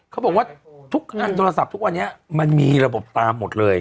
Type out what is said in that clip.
เขาบอกว่าทุกงานโทรศัพท์ทุกวันนี้มันมีระบบตามหมดเลย